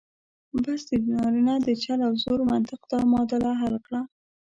بس د نارینه د چل او زور منطق دا معادله حل کړه.